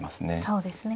そうですね。